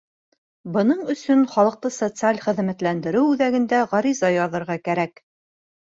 Бының өсөн халыҡты социаль хеҙмәтләндереү үҙәгенә ғариза яҙырға кәрәк.